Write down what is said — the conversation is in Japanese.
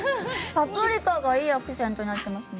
パプリカが、いいアクセントになっていますね。